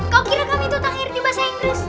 kau kira kami itu tak ngerti bahasa inggris